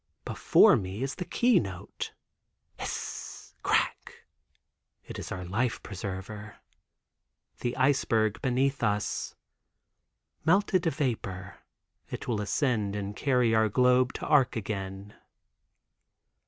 Before me is the key note. Hiss, crack! It is our life preserver—the iceberg beneath us. Melted to vapor it will ascend and carry our globe to Arc again.